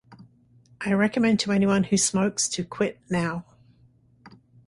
I recommend to anyone who smokes to quit now.